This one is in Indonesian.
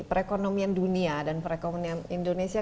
perekonomian dunia dan perekonomian indonesia